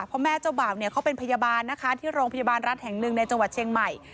เพราะแม่เจ้าบ่าวเป็นพยาบาลที่โรงพยาบาลรัฐแห่งหนึ่งในเจาะเชียงใหม่